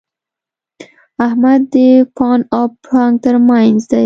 احمد د پاڼ او پړانګ تر منځ دی.